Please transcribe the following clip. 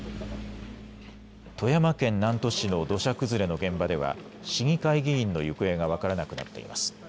富山県南砺市の土砂崩れの現場では市議会議員の行方が分からなくなっています。